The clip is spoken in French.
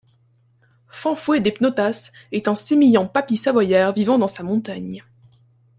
Fanfoué des Pnottas est un sémillant papy savoyard vivant dans sa montagne.